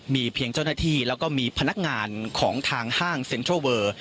มีเพียงเจ้าหน้าที่แล้วก็มีพนักงานของทางห้างเซ็นทรัลเวอร์